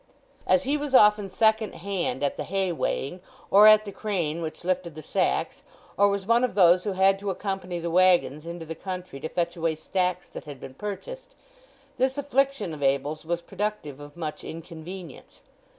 As he was often second hand at the hay weighing, or at the crane which lifted the sacks, or was one of those who had to accompany the waggons into the country to fetch away stacks that had been purchased, this affliction of Abel's was productive of much inconvenience.